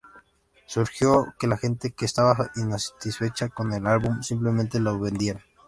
Sugirió que la gente que estaba insatisfecha con el álbum simplemente lo vendiera.